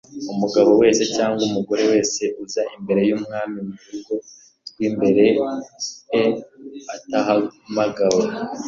umugabo wese cyangwa umugore wese uza imbere y umwami mu rugo rw imbere e atahamagawe